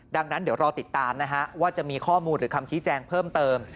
ดังนั้นเดี๋ยวรอติดตามนะฮะว่าจะมีข้อมูลหรือคำชี้แจงเพิ่มเติม